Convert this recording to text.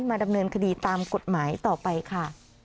มาดำเนินคดีตามกฎหมายต่อไปค่ะ